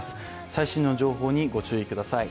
最新の情報にご注意ください。